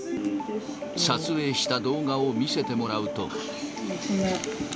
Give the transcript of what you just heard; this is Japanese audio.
撮影した動画を見せてもらうと。